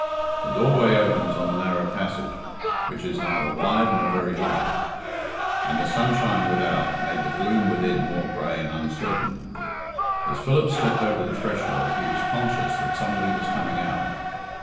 The doorway opens on a narrow passage, which is neither wide nor very light, and the sunshine without made the gloom within more grey and uncertain. As Philip stepped over the threshold he was conscious that somebody was coming out.